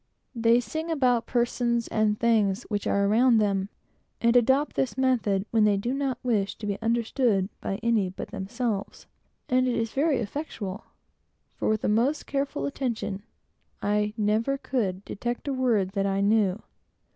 They sing about persons and things which are around them, and adopt this method when they do not wish to be understood by any but themselves; and it is very effectual, for with the most careful attention I never could detect a word that I knew.